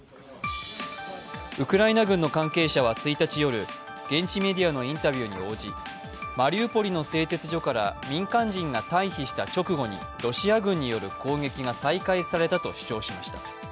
ウクライナ軍の関係者は１日夜、現地メディアのインタビューに応じ、マリウポリの製鉄所から民間人が退避した直後にロシア軍による攻撃が再開されたと主張しました。